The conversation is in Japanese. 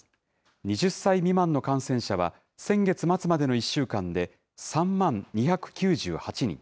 ２０歳未満の感染者は、先月末までの１週間で、３万２９８人。